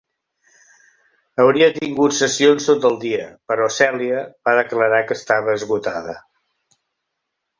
Hauria tingut sessions tot el dia, però Celia va declarar que estava esgotada.